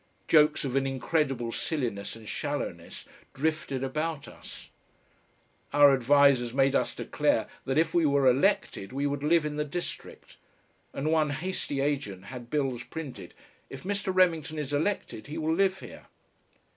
Jokes of an incredible silliness and shallowness drifted about us. Our advisers made us declare that if we were elected we would live in the district, and one hasty agent had bills printed, "If Mr. Remington is elected he will live here."